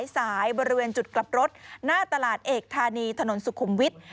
สายบริเวณจุดกลับรถหน้าตลาดเอกธานีถนนสุขุมวิทย์